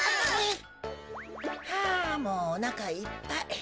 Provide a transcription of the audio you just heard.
はあもうおなかいっぱい。